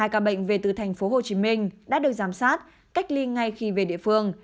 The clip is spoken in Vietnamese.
hai ca bệnh về từ thành phố hồ chí minh đã được giám sát cách ly ngay khi về địa phương